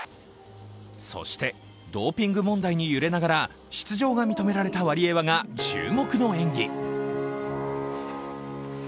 そしてドーピング問題に揺れながら出場したワリエワが注目の演技。